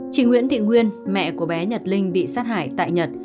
chị nguyễn thị nguyên mẹ của bé nhật linh bị sát hại tại nhật